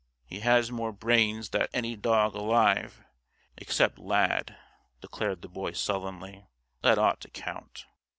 "He has more brains that any dog alive, except Lad!" declared the Boy, sullenly. "That ought to count."